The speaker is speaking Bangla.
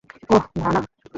ওহ, ধানা!